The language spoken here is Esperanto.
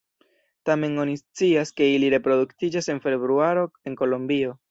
Tamen oni scias, ke ili reproduktiĝas en februaro en Kolombio.